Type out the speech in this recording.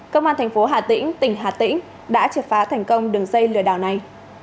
công an thành phố hà tĩnh tỉnh hà tĩnh đã triệt phá thành công đường dây lừa đảo này